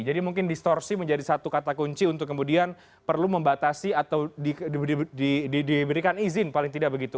jadi mungkin distorsi menjadi satu kata kunci untuk kemudian perlu membatasi atau diberikan izin paling tidak begitu